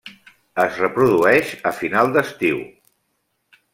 Es reprodueix a final d'estiu.